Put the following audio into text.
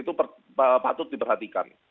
itu patut diperhatikan